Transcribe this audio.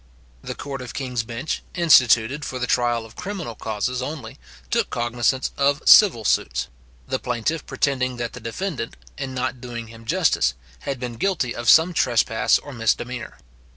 The court of king's bench, instituted for the trial of criminal causes only, took cognizance of civil suits; the plaintiff pretending that the defendant, in not doing him justice, had been guilty of some trespass or misdemeanour.